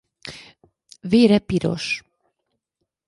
Vére piros.